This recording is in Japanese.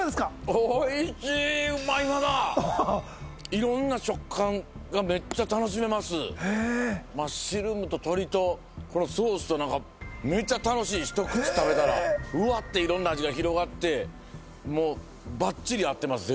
おいしい色んな食感がめっちゃ楽しめますへえーマッシュルームと鶏とこのソースとめっちゃ楽しいひと口食べたらうわって色んな味が広がってもうバッチリ合ってます